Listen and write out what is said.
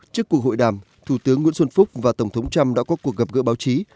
trước cuộc hội đàm thủ tướng nguyễn xuân phúc và tổng thống trump đã có cuộc gặp gỡ báo chí